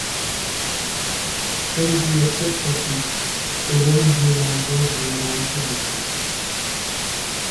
Elle lui apprête sa soupe, et l'homme dit au mendiant de venir manger avec lui.